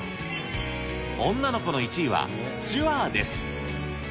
女の子の１位はスチュワーデス。